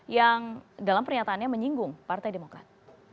yang dalam pernyataannya menyinggung partai demokrat